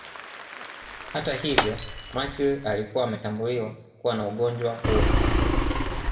Hata hivyo Mercury alikuwa ametambuliwa kuwa na ugonjwa huo